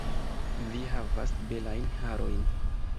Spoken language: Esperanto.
Vi havas belajn harojn